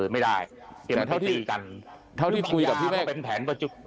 ไม่ได้แต่กลัวที่ดีกัน